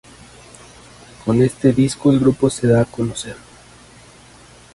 Con este disco el grupo se da a conocer.